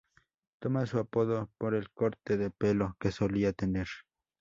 Toma su apodo por el corte de pelo que solía tener.